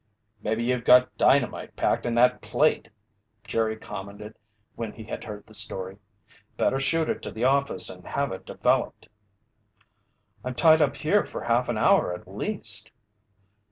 "Maybe you've got dynamite packed in that plate," Jerry commented when he had heard the story. "Better shoot it to the office and have it developed." "I'm tied up here for half an hour at least."